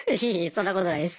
そんなことないです。